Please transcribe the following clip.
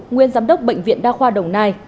nguyên giám đốc bệnh viện đa khoa đồng nai